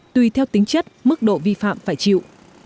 tùy theo tính chất mức độ vi phạm phải chịu